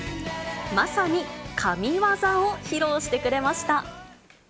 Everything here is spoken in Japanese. まさに髪業を披露してくれました。